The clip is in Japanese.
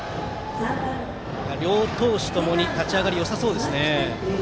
両投手ともに立ち上がりはよさそうですね。